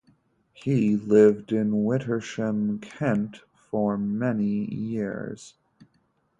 He lived in Wittersham, Kent for many years.